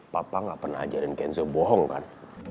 papa nggak pernah ajarin kenzo bohong kan